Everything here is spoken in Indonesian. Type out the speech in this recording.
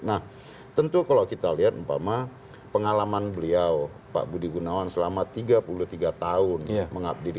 nah tentu kalau kita lihat umpama pengalaman beliau pak budi gunawan selama tiga puluh tiga tahun mengabdi di